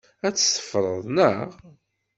Ad t-teffreḍ, naɣ?